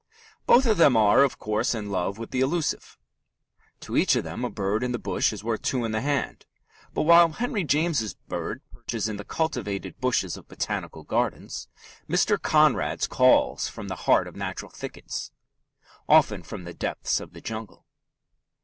Both of them are, of course, in love with the elusive. To each of them a bird in the bush is worth two in the hand. But while Henry James's birds perch in the cultivated bushes of botanical gardens, Mr. Conrad's call from the heart of natural thickets often from the depths of the jungle.